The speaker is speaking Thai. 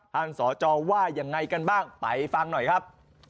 สจว่ายังไงกันบ้างไปฟังหน่อยครับ